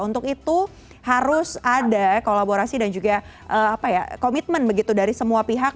untuk itu harus ada kolaborasi dan juga komitmen begitu dari semua pihak